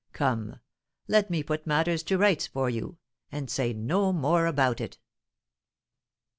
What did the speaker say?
Come, let me put matters to rights for you, and say no more about it."